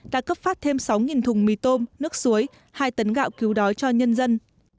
đã cấp phát thêm sáu thùng mì tôm nước suối hai tấn gạo cứu đói cho nhân dân